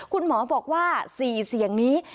คุณหมอบอกว่า๔เสียงนี้